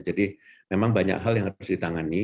jadi memang banyak hal yang harus ditangani